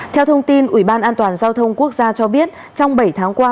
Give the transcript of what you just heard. theo thông tin ủy ban an toàn giao thông quốc gia cho biết trong bảy tháng qua